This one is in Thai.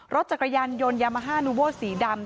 รถจักรยานยนต์ยามาฮานูโวสีดำ